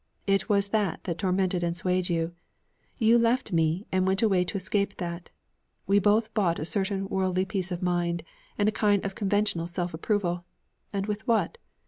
It was that that tormented and swayed you. You left me, and went away to escape that. We both bought a certain worldly peace of mind, and a kind of conventional self approval. And with what?